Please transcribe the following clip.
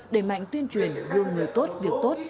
đề mạnh tuyên truyền đưa người tốt việc tốt